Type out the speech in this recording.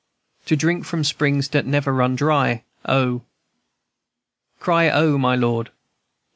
To drink from springs dat never run dry, O, &c. Cry O my Lord!